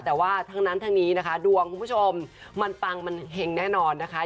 แต่ว่าทั้งนั้นทั้งนี้นะคะดวงคุณผู้ชมมันปังมันเห็งแน่นอนนะคะ